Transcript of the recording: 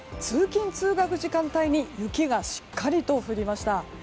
通勤・通学時間帯に雪がしっかりと降りました。